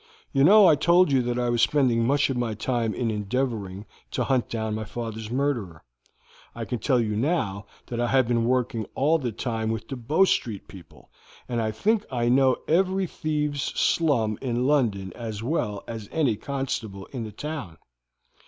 You know I told you that I was spending much of my time in endeavoring to hunt down my father's murderer. I can tell you now that I have been working all the time with the Bow Street people, and I think I know every thieves' slum in London as well as any constable in the town."